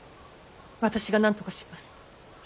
私がなんとかします。